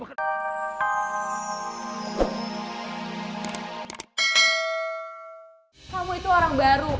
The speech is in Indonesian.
kamu itu orang baru